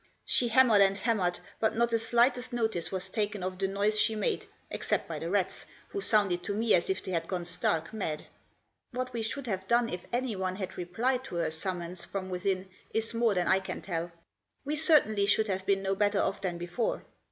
She hammered and hammered, but not the slightest notice was taken of the noise she made, except by the rats, who sounded to me as if they had gone stark mad. What we should have done if anyone had replied to her summons from within is more than I can tell. We certainly should have been no better off than before.